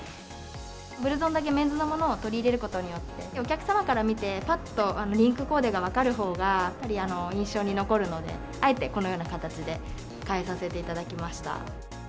ブルゾンだけメンズのものを取り入れることによって、お客様から見て、ぱっとリンクコーデが分かるほうが、やっぱり印象に残るので、あえてこのような形で変えさせていただきました。